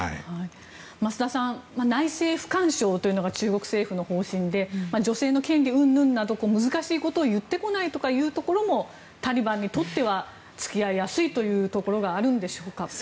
増田さん、内政不干渉というのが中国政府の方針で女性の権利云々など難しいことを言ってこないところもタリバンにとっては付き合いやすいというところがあるんでしょうか。